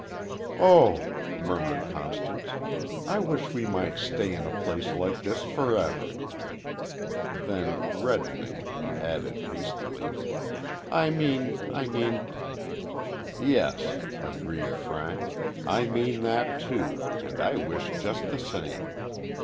"Oh," murmured Constance, "I wish we might stay in a place like this forever!" Then, reddening, added hastily, "I mean I mean " "Yes," agreed Frank, "I mean that, too and I wish just the same.